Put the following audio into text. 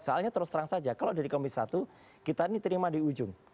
soalnya terus terang saja kalau dari komisi satu kita ini terima di ujung